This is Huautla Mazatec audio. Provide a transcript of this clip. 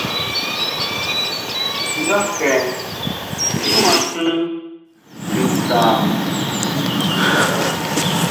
Ndaje tjimajin Chuta.